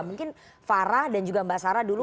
mungkin farah dan juga mbak sarah dulu